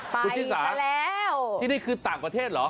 เฮ้ยตรงจริงจะแล้วที่นี่คือต่างประเทศหรอ